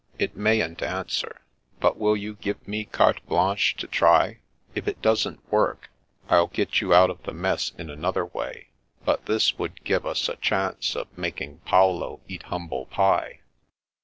" It mayn't answer, but will you give me carte blanche to try? If it doesn't work, I'll get you out of the mess in another way. But this would give us a chance of making Paolo eat humble pie."